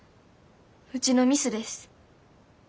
ウチのミスです。